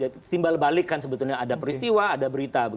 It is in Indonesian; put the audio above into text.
timbal balik kan sebetulnya ada peristiwa ada berita